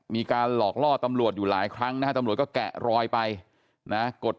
มีการหลอกล่อตำรวจอยู่หลายครั้งนะฮะตำรวจก็แกะรอยไปนะกด